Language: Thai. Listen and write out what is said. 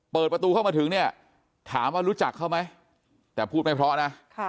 เปิดประตูเข้ามาถึงเนี่ยถามว่ารู้จักเขาไหมแต่พูดไม่เพราะนะ